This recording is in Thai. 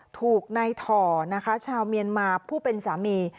ถูกในถ่อนะคะชาวเมียนมาผู้เป็นสามี